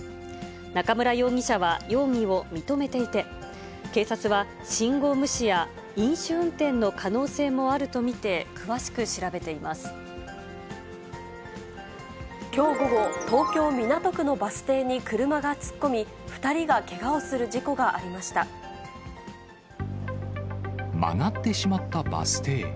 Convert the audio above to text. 中村容疑者は容疑を認めていて、警察は、信号無視や飲酒運転の可能性もあきょう午後、東京・港区のバス停に車が突っ込み、２人がけがをする事故があり曲がってしまったバス停。